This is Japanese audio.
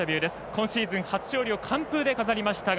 今シーズン初勝利を完封で飾りました